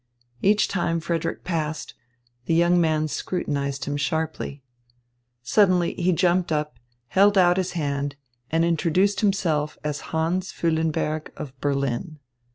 Each time Frederick passed, the young man scrutinised him sharply. Suddenly he jumped up, held out his hand, and introduced himself as Hans Füllenberg of Berlin.